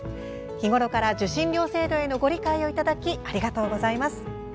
日頃から受信料制度へのご理解をいただきありがとうございます。